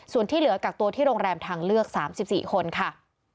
ส่วนที่เหลือกักตัวที่โรงแรมทางเลือก๓๔คนค่ะ